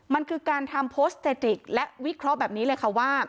มันคือการทำโพสต์เตจิกและวิเคราะห์แบบนี้เลยค่ะว่า